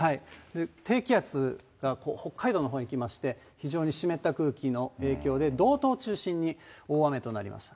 低気圧が北海道のほうへ来まして、非常に湿った空気の影響で、道東を中心に大雨となりました。